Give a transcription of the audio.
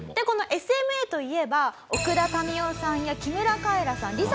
このＳＭＡといえば奥田民生さんや木村カエラさん